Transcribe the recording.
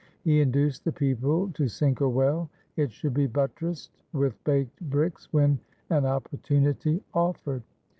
He induced the people to sink a well. It should be buttressed with baked bricks when an opportunity offered.